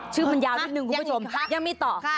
ชื่อมันยาวสิบหนึ่งคุณผู้ชมยังมีต่อ